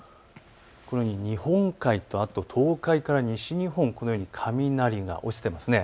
このように日本海と東海から西日本、雷が落ちています。